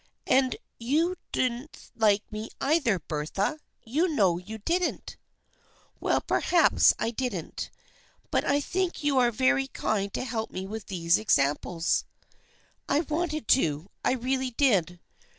" And you didn't like me either, Bertha. You know you didn't !"" Well, perhaps I didn't." " But I think you are very kind to help me with these examples." " I wanted to. I really did."